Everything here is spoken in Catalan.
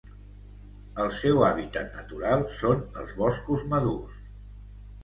El seu hàbitat natural són els boscos madurs.